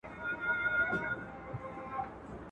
څوک مه وهه په گوته، چي تا و نه ولي په لوټه.